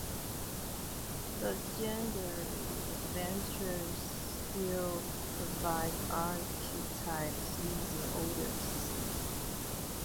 "Lejendary Adventure"s still provide Archetypes using "Orders.